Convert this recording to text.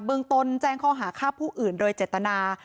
เมืองตนแจ้งข้อหาฆ่าผู้อื่นโดยเจตนา